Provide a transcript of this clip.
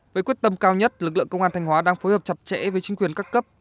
với quyết tâm cao nhất lực lượng công an thanh hóa đang phối hợp chặt chẽ với chính quyền các cấp